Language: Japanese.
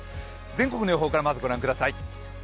全国の予報からまずご覧ください。